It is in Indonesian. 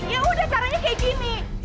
yaudah caranya kayak gini